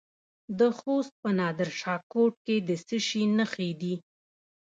د خوست په نادر شاه کوټ کې د څه شي نښې دي؟